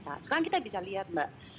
nah sekarang kita bisa lihat mbak